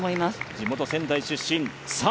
地元・仙台出身、さあ